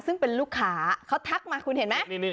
ซึ่งเป็นลูกค้าเขาทักมาคุณเห็นไหม